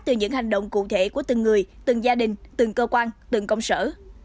từ những hành động cụ thể của từng người từng gia đình từng cơ quan từng công sở